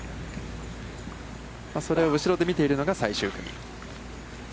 それを後ろで見ているのが最終組。